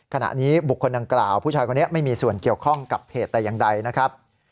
ขณะนี้บุคคลดังกล่าวผู้ชายคนนี้ไม่มีส่วนเกี่ยวข้องกับเพจแต่อย่างใดนะครับ